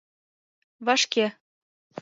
— Вашке-е!